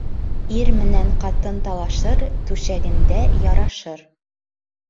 Ир менән ҡатын талашыр, түшәгендә ярашыр.